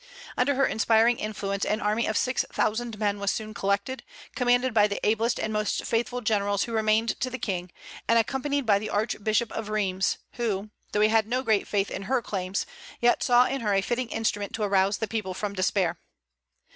Under her inspiring influence an army of six thousand men was soon collected, commanded by the ablest and most faithful generals who remained to the King, and accompanied by the Archbishop of Rheims, who, though he had no great faith in her claims, yet saw in her a fitting instrument to arouse the people from despair.